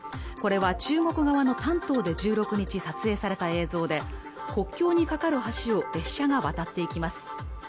これは中国側の丹東で１６日撮影された映像で国境に架かる橋を列車が渡っていきます